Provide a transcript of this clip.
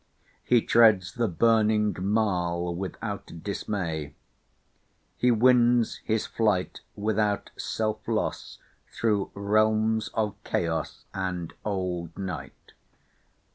He treads the burning marl without dismay; he wins his flight without self loss through realms of chaos "and old night."